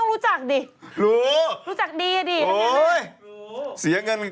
อะไรฮ่าอาทิตย์หน้า